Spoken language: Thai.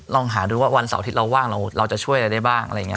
ลองหาดูว่าวันเสาร์อาทิตย์เราว่างเราจะช่วยอะไรได้บ้าง